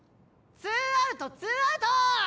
ツーアウトツーアウト！